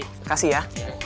terima kasih ya